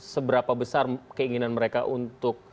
seberapa besar keinginan mereka untuk